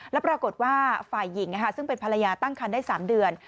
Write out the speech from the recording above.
แล้วปรากฏว่าฝ่ายหญิงซึ่งเป็นภรรยาตั้งคันได้๓เดือน